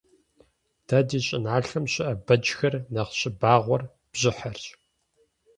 Дэ ди щIыналъэм щыIэ бэджхэр нэхъ щыбагъуэр бжьыхьэрщ.